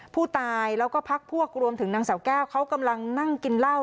ผู้ตายแล้วก็พักพวกรวมถึงนางสาวแก้วเขากำลังนั่งกินเหล้า